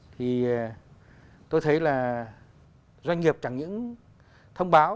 thì tôi thấy là doanh nghiệp chẳng những thông báo